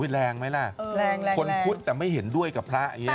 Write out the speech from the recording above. อุ๊ยแรงไหมล่ะคนพุทธแต่ไม่เห็นด้วยกับพระอย่างนี้